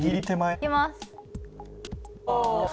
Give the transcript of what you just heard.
行きます。